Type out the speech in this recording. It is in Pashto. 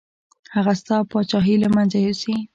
هغه ستا پاچاهي له منځه یوسي.